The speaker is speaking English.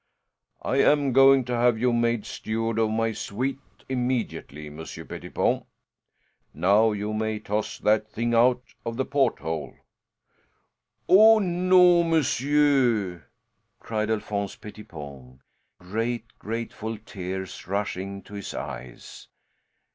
I am going to have you made steward of my suite immediately, Monsieur Pettipon. Now you may toss that thing out of the porthole." "Oh, no, monsieur!" cried Alphonse Pettipon, great, grateful tears rushing to his eyes.